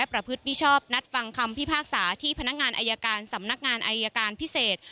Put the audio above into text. พฤติมิชอบนัดฟังคำพิพากษาที่พนักงานอายการสำนักงานอายการพิเศษ